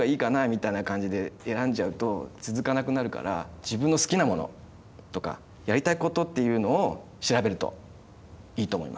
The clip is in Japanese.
みたいな感じで選んじゃうと続かなくなるから自分の好きなものとかやりたいことっていうのを調べるといいと思います。